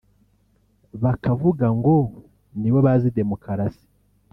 bakavuga ngo nibo bazi demokarasi